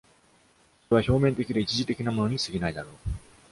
それは表面的で一時的なものに過ぎないだろう。